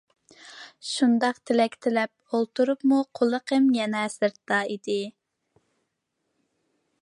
شۇنداق تىلەك تىلەپ ئولتۇرۇپمۇ قۇلىقىم يەنە سىرتتا ئىدى.